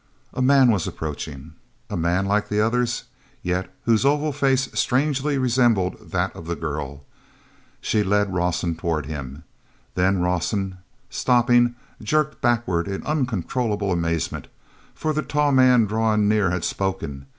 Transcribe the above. man was approaching, a man like the others, yet whose oval face strangely resembled that of the girl. She led Rawson toward him, then Rawson, stopping, jerked backward in uncontrollable amazement, for the tall man drawing near had spoken.